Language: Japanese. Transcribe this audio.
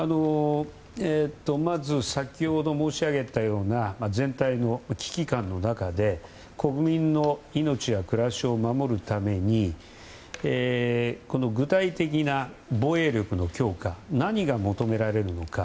まず、先ほど申し上げたような全体の危機感の中で国民の命や暮らしを守るためにこの具体的な防衛力の強化何が求められるのか。